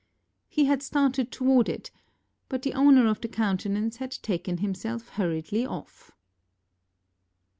He had started toward it, but the owner of the countenance had taken himself hurriedly off.